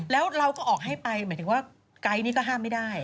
แล้วเราก็ออกให้ไปหมายถึงว่าไกด์นี่ก็ห้ามไม่ได้